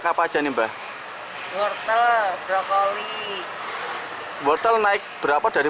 kalau yang brokoli